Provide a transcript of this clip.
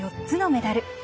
４つのメダル。